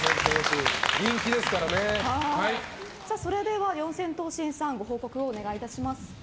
それでは四千頭身さんご報告をお願いします。